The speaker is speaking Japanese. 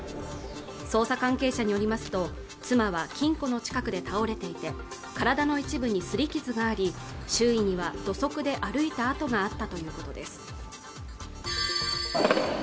捜査関係者によりますと妻は金庫の近くで倒れていて体の一部に擦り傷があり周囲には土足で歩いた跡があったということです